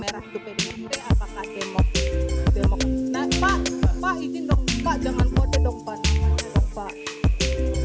itu berikutnya apakah demo demo nampak pak izin dong pak jangan kode dong pak pak pak